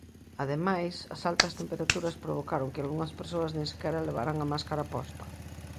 Ademais, as altas temperaturas provocaron que algunhas persoas nin sequera levaran a máscara posta.